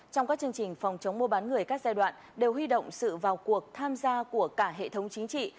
trong các chương trình phòng chống mua bán người các giai đoạn đều huy động sự vào cuộc tham gia của cả hệ thống chính trị